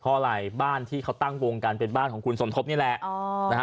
เพราะอะไรบ้านที่เขาตั้งวงกันเป็นบ้านของคุณสมทบนี่แหละนะฮะ